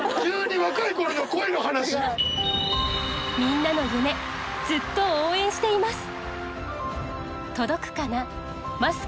みんなの夢ずっと応援しています。